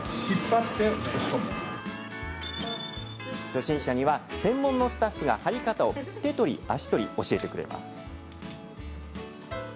初心者には、専門のスタッフが張り方を手取り足取り教えてくれます。